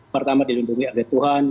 pertama dilindungi oleh tuhan